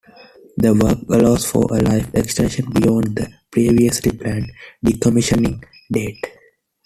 The work allows for a life extension beyond the previously-planned decommissioning date.